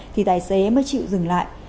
thì tài xế mới chịu dừng lại